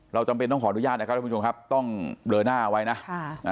จำเป็นต้องขออนุญาตนะครับทุกผู้ชมครับต้องเบลอหน้าไว้นะ